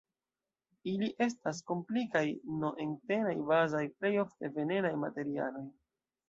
Ili estas komplikaj, N-entenaj, bazaj, plej ofte venenaj materialoj.